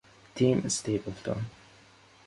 Tim Stapleton